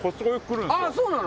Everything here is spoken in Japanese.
そうなの？